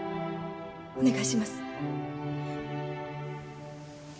お願いします。